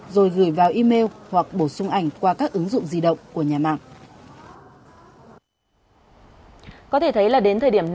rồi gửi vào email hoặc bổ sung ảnh qua các ứng dụng di động của nhà mạng